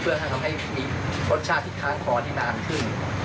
เพื่อให้ทำให้มีรสชาติที่ค้างคอได้นานขึ้น